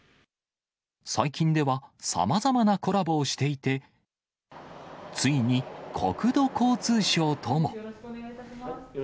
最近ではさまざまなコラボをしていて、ついに国土交通省とも。